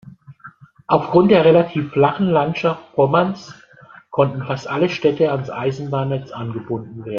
Aufgrund der relativ flachen Landschaft Pommerns konnten fast alle Städte ans Eisenbahnnetz angebunden werden.